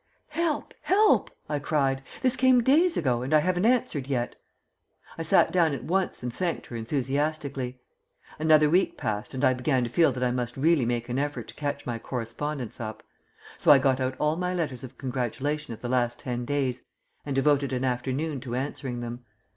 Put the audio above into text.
"Help, help!" I cried. "This came days ago, and I haven't answered yet." I sat down at once and thanked her enthusiastically. Another week passed and I began to feel that I must really make an effort to catch my correspondence up; so I got out all my letters of congratulation of the last ten days and devoted an afternoon to answering them.